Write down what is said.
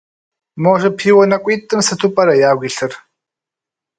Мо жыпиуэ нэкӏуитӏым сыту пӏэрэ ягу илъыр?